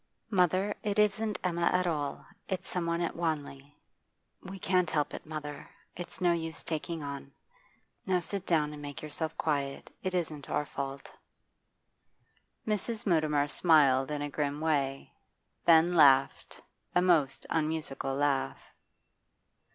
'Mother, it isn't Emma at all. It's someone at Wanley. We can't help it, mother. It's no use taking on. Now sit down and make yourself quiet. It isn't our fault.' Mrs. Mutimer smiled in a grim way, then laughed a most unmusical laugh.